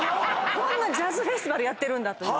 ジャズフェスティバルやってるんだという。